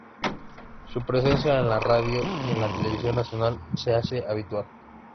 Su presencia en la radio y en la televisión nacionales se hace habitual.